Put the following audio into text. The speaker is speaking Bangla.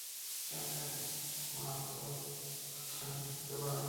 শ্যাম্পেন নেওয়া না তো, যেন যুদ্ধ করা।